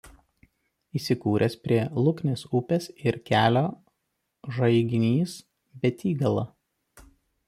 Įsikūręs prie Luknės upės ir kelio Žaiginys–Betygala.